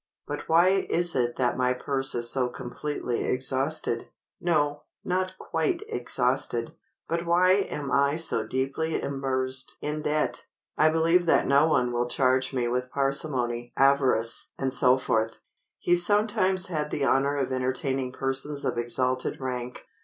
But why is it that my purse is so completely exhausted—no, not quite exhausted; but why am I so deeply immersed in debt? I believe that no one will charge me with parsimony, avarice," &c. He sometimes had the honor of entertaining persons of exalted rank.